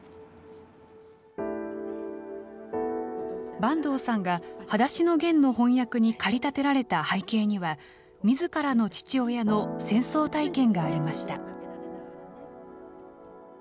坂東さんがはだしのゲンの翻訳に駆り立てられた背景には、みずからの父親の戦争体験がありました。